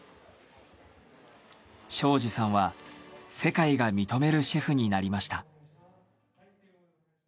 庄司さんは世界が認めるシェフになりました。